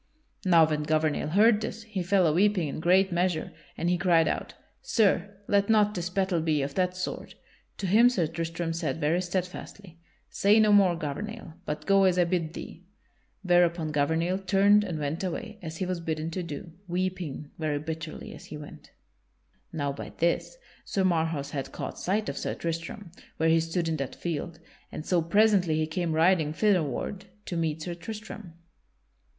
Now when Gouvernail heard this, he fell a weeping in great measure; and he cried out: "Sir, let not this battle be of that sort!" To him Sir Tristram said very steadfastly: "Say no more, Gouvernail, but go as I bid thee." Whereupon Gouvernail turned and went away, as he was bidden to do, weeping very bitterly as he went. [Sidenote: Sir Tristram proclaims his degree] Now by this Sir Marhaus had caught sight of Sir Tristram where he stood in that field, and so presently he came riding thitherward to meet Sir Tristram.